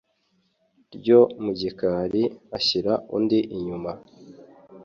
ryo mu gikari ashyira undi inyuma